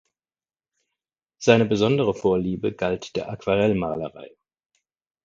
Seine besondere Vorliebe galt der Aquarellmalerei.